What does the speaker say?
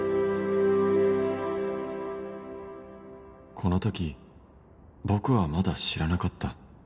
この時僕はまだ知らなかった